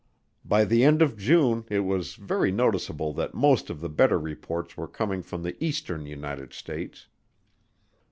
By the end of June it was very noticeable that most of the better reports were coming from the eastern United States.